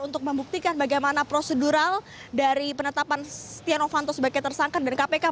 untuk membuktikan bagaimana prosedural dari penetapan stiano fanto sebagai tersangka